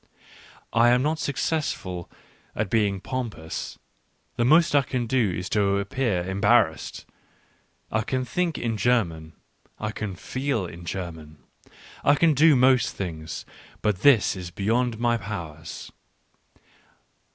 I am not successful at being pompous, the most I can do is to appear embarrassed. ... I can think in German, I can feel in German — I can do most things ; but this is beyond my powers.